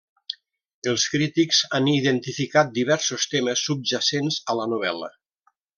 Els crítics han identificat diversos temes subjacents a la novel·la.